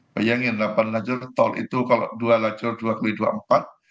bayangin delapan lajur tol itu kalau dua lajur dua x dua puluh empat